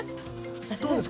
どうですか？